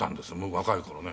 若い頃ね。